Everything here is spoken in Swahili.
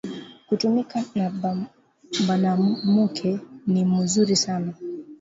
Kutumika na banamuke ni muzuri sana